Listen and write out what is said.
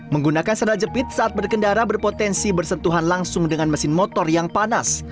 menggunakan sendal jepit saat berkendara berpotensi bersentuhan langsung dengan mesin motor yang panas